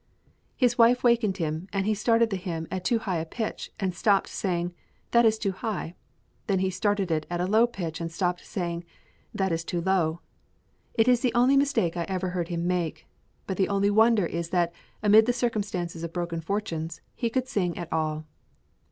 His wife wakened him, and he started the hymn at too high a pitch, and stopped, saying, "That is too high"; then started it at too low a pitch, and stopped, saying, "That is too low." It is the only mistake I ever heard him make. But the only wonder is that amid the circumstances of broken fortunes he could sing at all.